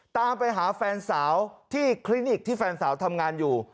ตามไปหาแฟนสาวที่คลินิกที่แฟนสาวทำงานอยู่